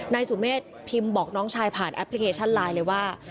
นายสุเมฆพิมพ์บอกน้องชายผ่านแอปพลิเคชันไลน์เลยว่า